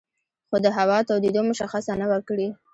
خو د هوا تودېدو مشخصه نه وه کړې